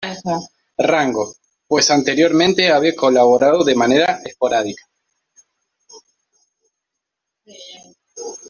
Rango, pues anteriormente había colaborado de manera esporádica.